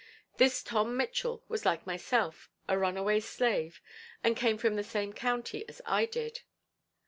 This Tom Mitchell was like myself, a runaway slave and came from the same county as I did.